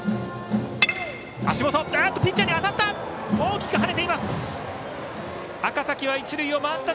ピッチャーに当たった！